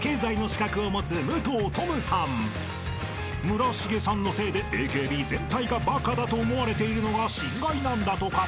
［村重さんのせいでＡＫＢ全体がバカだと思われているのが心外なんだとか］